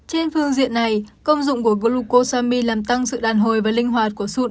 trên phương diện này công dụng của glucosami làm tăng sự đàn hồi và linh hoạt của sụn